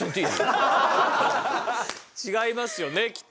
違いますよねきっと。